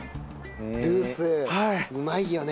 ルースうまいよね。